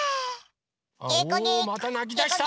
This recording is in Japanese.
おまたなきだした！